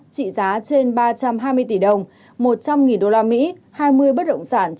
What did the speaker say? trị giá trên ba trăm hai mươi tỷ đồng một trăm linh usd hai mươi bất động sản